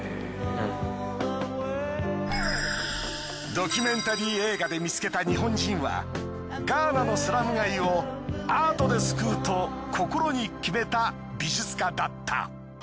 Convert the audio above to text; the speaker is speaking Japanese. ドキュメンタリー映画で見つけた日本人はガーナのスラム街をアートで救うと心に決めた美術家だった。